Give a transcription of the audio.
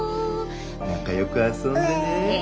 仲よく遊んでね。